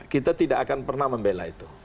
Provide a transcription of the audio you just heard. kita tidak akan pernah membela itu